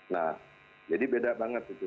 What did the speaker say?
nah jadi beda banget itu